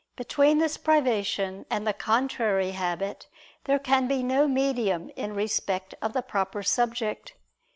Between this privation and the contrary habit, there can be no medium in respect of the proper subject.